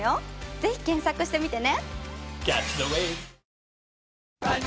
ぜひ検索してみてね。